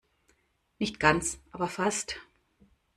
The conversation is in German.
Nicht ganz, aber fast.